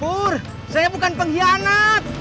pur saya bukan pengkhianat